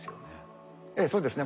ええそうですね。